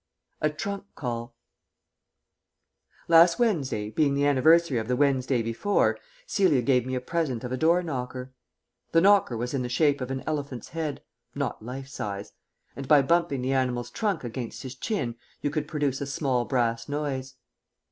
A TRUNK CALL Last Wednesday, being the anniversary of the Wednesday before, Celia gave me a present of a door knocker. The knocker was in the shape of an elephant's head (not life size); and by bumping the animal's trunk against his chin you could produce a small brass noise.